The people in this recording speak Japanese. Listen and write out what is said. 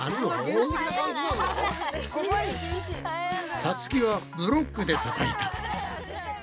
さつきはブロックでたたいた。